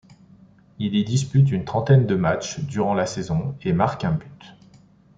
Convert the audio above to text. Il y dispute une trentaine de match durant la saison et marque un but.